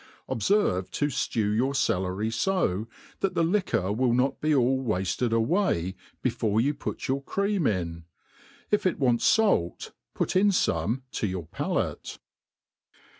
Obferve to ftew your celery fo, that the liquor will not be all wafted aw^y before you put your cfeam in ^ if it wants fait, put in ^Mne vo your patate.